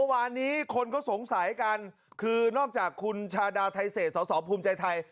วันนี้คนเขาสงสัยกันคือนอกจากคุณชาดาไทเศษสอสอภูมิใจไทย